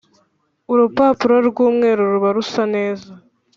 Urupapuro rwumweru ruba rusa neza